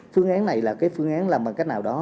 phương án này là cái phương án làm bằng cách nào đó